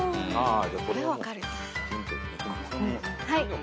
はい。